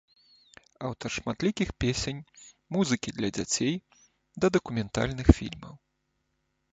Аўтар шматлікіх песень, музыкі для дзяцей, да дакументальных фільмаў.